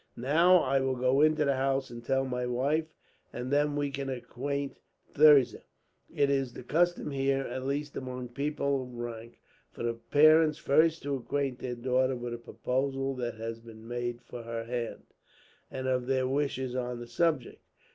"Now I will go into the house and tell my wife, and then we can acquaint Thirza. It is the custom here, at least among people of rank, for the parents first to acquaint their daughter with a proposal that has been made for her hand, and of their wishes on the subject.